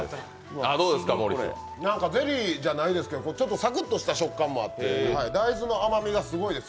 ゼリーじゃないですけど、ちょっとサクッとした食感もあって、大豆の甘みがすごいです。